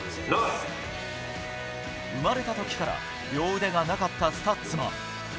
生まれた時から両腕がなかったスタッツマン。